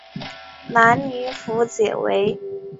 南宁府解围。